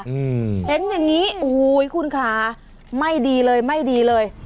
อืมเห็นอย่างงี้โอ้โหคุณค่ะไม่ดีเลยไม่ดีเลย